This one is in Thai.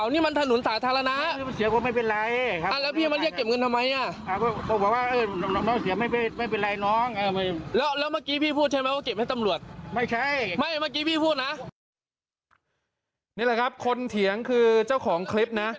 นี่แหละครับคนเถียงคือเจ้าของคลิปนะ